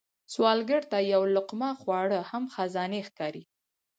سوالګر ته یو لقمه خواړه هم خزانې ښکاري